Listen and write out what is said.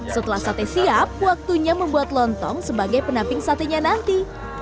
setelah sate siap waktunya membuat lontong sebagai pendamping satenya nanti